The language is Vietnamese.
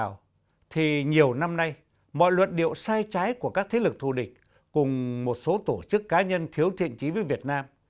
xét từ bất kỳ góc độ nào thì nhiều năm nay mọi luật điệu sai trái của các thế lực thù địch cùng một số tổ chức cá nhân thiếu thiện trí với việt nam